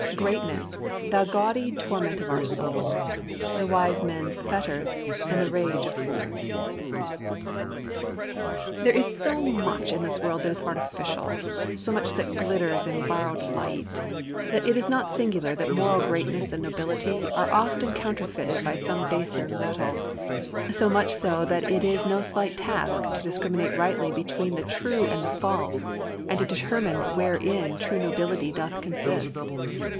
] "Greatness, thou gaudy torment of our souls, The wise man's fetters, and the rage of fools." There is so much in this world that is artificial, so much that glitters in borrowed light, that it is not singular that moral greatness and nobility are often counterfeited by some baser metal—so much so that it is no slight task to discriminate rightly between the true and the false, and to determine wherein true nobility doth consist.